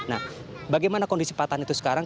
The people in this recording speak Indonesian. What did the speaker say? nah bagaimana kondisi patahan itu sekarang